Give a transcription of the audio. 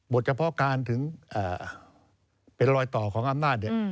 เฉพาะการถึงเป็นรอยต่อของอำนาจ